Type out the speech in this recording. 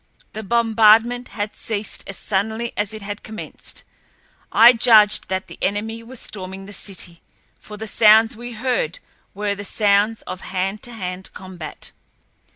The bombardment had ceased as suddenly as it had commenced. I judged that the enemy was storming the city, for the sounds we heard were the sounds of hand to hand combat.